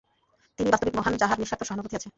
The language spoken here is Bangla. তিনিই বাস্তবিক মহান্, যাঁহার নিঃস্বার্থ সহানুভূতি আছে।